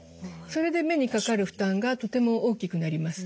それで目にかかる負担がとても大きくなります。